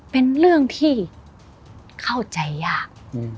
เป็นเรื่องที่เข้าใจยาก